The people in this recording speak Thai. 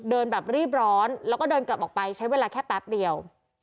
เดินแบบรีบร้อนแล้วก็เดินกลับออกไปใช้เวลาแค่แป๊บเดียว